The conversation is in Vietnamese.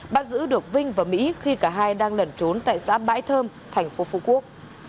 bắt giữ được vinh và mỹ khi cả hai đang lẩn trốn tại xã bãi thơm tp phu quốc